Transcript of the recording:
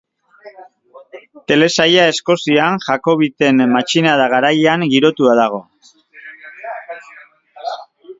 Telesaila Eskozian Jakobiten matxinada garaian girotua dago.